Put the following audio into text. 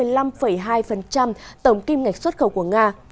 là một mươi năm hai tổng kim ngạch xuất khẩu của nga